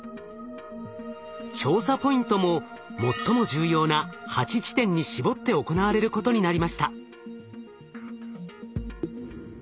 調査ポイントも最も重要な８地点に絞って行われることになりました。